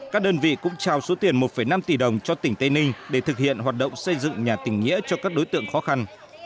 các đơn vị cũng trao số tiền một năm tỷ đồng cho tỉnh tây ninh để thực hiện hoạt động xây dựng nhà tỉnh nghĩa cho các đối tượng khó khăn